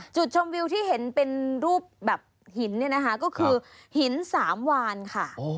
จุดชมวิวที่เห็นเป็นรูปแบบหินเนี่ยนะคะก็คือหินสามวานค่ะ